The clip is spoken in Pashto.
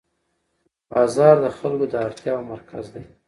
بازار د خلکو د اړتیاوو مرکز دی